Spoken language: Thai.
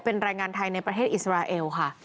เป็นแรงงานไทยในประเทศอิสราเอลค่ะ